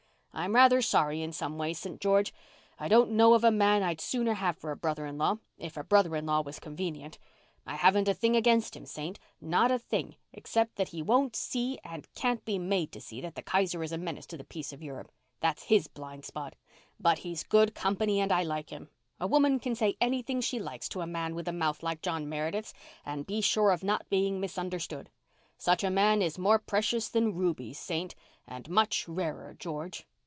I'm rather sorry in some ways, St. George. I don't know of a man I'd sooner have for a brother in law if a brother in law was convenient. I haven't a thing against him, Saint—not a thing except that he won't see and can't be made to see that the Kaiser is a menace to the peace of Europe. That's his blind spot. But he's good company and I like him. A woman can say anything she likes to a man with a mouth like John Meredith's and be sure of not being misunderstood. Such a man is more precious than rubies, Saint—and much rarer, George.